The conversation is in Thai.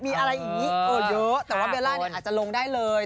มีอะไรอีกเยอะแต่ว่าเบลล่าอาจจะลงได้เลย